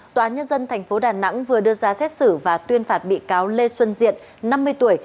tòa nhân dân tp đà nẵng vừa đưa ra xét xử và tuyên phạt bị cáo lê xuân diện năm mươi tuổi